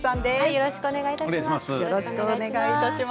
よろしくお願いします。